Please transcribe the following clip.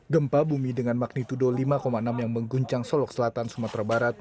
gempa bumi dengan magnitudo lima enam yang mengguncang solok selatan sumatera barat